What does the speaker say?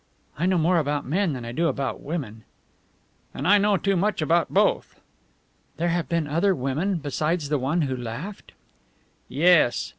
"I know more about men than I do about women." "And I know too much about both." "There have been other women besides the one who laughed?" "Yes.